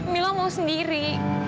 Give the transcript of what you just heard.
mila mau sendiri